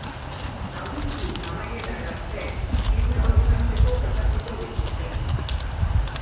Abuztu amaierara arte, hiru lagunarteko jokatuko dituzte.